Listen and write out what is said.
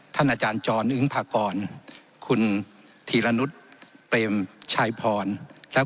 ท่านอาจารย์จรอึ้งพากรคุณถีละนุตเปรมชายพรแล้ว